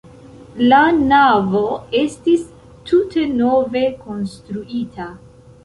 La navo estis tute nove konstruita.